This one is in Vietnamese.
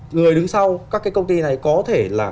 người đứng sau các cái công ty này có thể là